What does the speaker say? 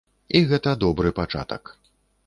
І гэта добры пачатак.